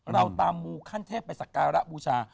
เราตามมูขั้นเทพไปสักการะบูชา